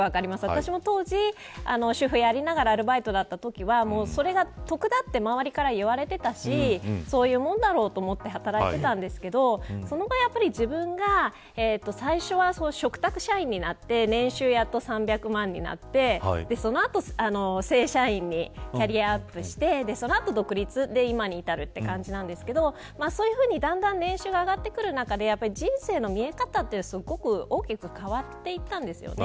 私も当時、主婦をやりながらアルバイトだったときはそれが得だと周りから言われていたしそういうもんだろうと思って働いていたんですけどその後、自分が最初は嘱託社員になって年収がやっと３００万になってその後、正社員にキャリアアップしてその後独立、で今に至るという感じなんですけどそういうふうに、だんだん年収が上がってくる中で人生の見え方って大きく変わっていったんですよね。